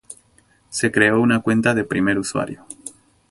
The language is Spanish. se creó una cuenta de primer usuario.